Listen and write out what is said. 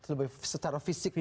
lebih secara fisik gitu ya